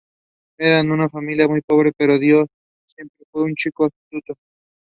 Flowering occurs around April.